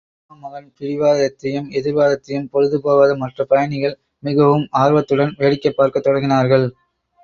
அப்பா மகன் பிடிவாதத்தையும், எதிர்வாதத்தையும் பொழுது போகாத மற்ற பயணிகள், மிகவும் ஆர்வத்துடன் வேடிக்கைப் பார்க்கத் தொடங்கினார்கள்.